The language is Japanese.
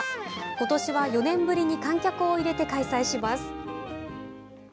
今年は４年ぶりに観客を入れて開催します。